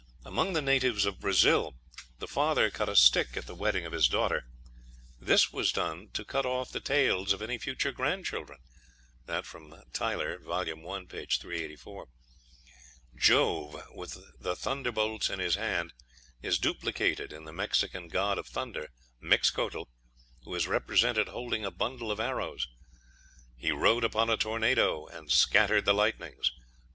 Among the natives of Brazil the father cut a stick at the wedding of his daughter; "this was done to cut off the tails of any future grandchildren." (Tylor, vol. i., p. 384.) Jove, with the thunder bolts in his hand, is duplicated in the Mexican god of thunder, Mixcoatl, who is represented holding a bundle of arrows. "He rode upon a tornado, and scattered the lightnings."